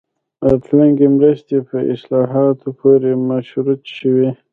راتلونکې مرستې په اصلاحاتو پورې مشروطې شوې.